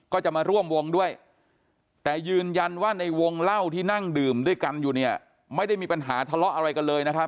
ก็จะมาร่วมวงด้วยแต่ยืนยันว่าในวงเล่าที่นั่งดื่มด้วยกันอยู่เนี่ยไม่ได้มีปัญหาทะเลาะอะไรกันเลยนะครับ